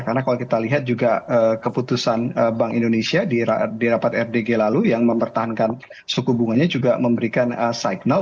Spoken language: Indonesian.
karena kalau kita lihat juga keputusan bank indonesia di rapat rdg lalu yang mempertahankan suku bunganya juga memberikan signal